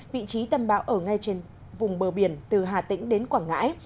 vị trí tâm bão ở ngay trên vùng bờ biển từ hà tĩnh đến quảng ngãi